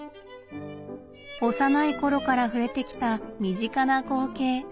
幼い頃から触れてきた身近な光景